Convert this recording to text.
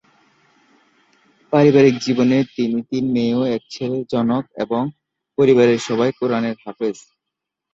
পারিবারিক জীবনে তিনি তিন মেয়ে ও এক ছেলের জনক এবং পরিবারের সবাই কুরআনের হাফেজ।